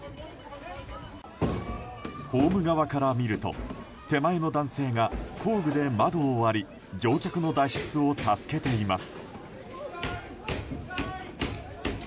ホーム側から見ると手前の男性が工具で窓を割り乗客の脱出を助けています。